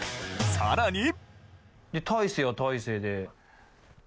さらに！